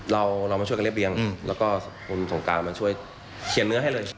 เราเรามาช่วยกันเรียบเรียงแล้วก็คุณสงการมาช่วยเขียนเนื้อให้เลย